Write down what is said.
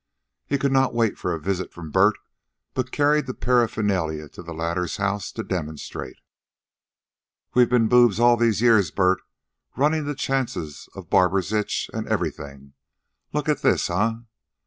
He could not wait a visit from Bert, but carried the paraphernalia to the latter's house to demonstrate. "We've ben boobs all these years, Bert, runnin' the chances of barber's itch an' everything. Look at this, eh?